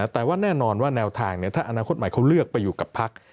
แต่ว่าแน่นอนว่าแนวทางถ้าอนาคตใหม่เขาเลือกไปอยู่กับพัก